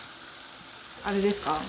あれですか？